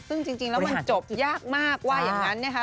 ซึ่งจริงแล้วมันจบยากมากว่าอย่างนั้นนะคะ